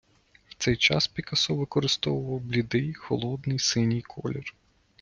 В цей час Пікассо використовував блідий, холодний синій колір.